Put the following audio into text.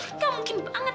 ini tak mungkin banget